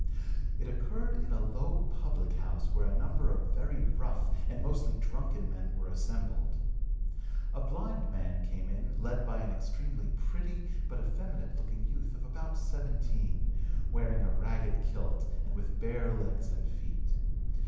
It occurred in a low public house where a number of very rough and mostly drunken men were assembled. A blind man came in led by an extremely pretty but effeminate looking youth of about 17, wearing a ragged kilt and with bare legs and feet.